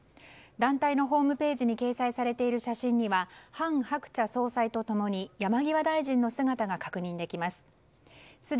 団体のホームページに掲載されている写真には韓鶴子総裁と共に山際大臣の姿が確認できます。